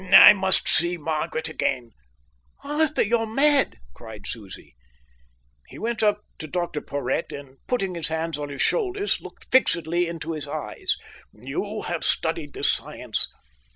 "I must see Margaret again." "Arthur, you're mad!" cried Susie. He went up to Dr Porhoët and, putting his hands on his shoulders, looked fixedly into his eyes. "You have studied this science.